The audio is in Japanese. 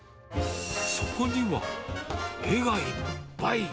そこには、絵がいっぱい。